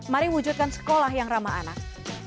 mari wujudkan sekolah yang ramah anak